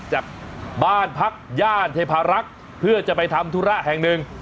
จากบ้านพักย่านเทพารักษ์เพื่อจะไปทำธุระแห่งหนึ่ง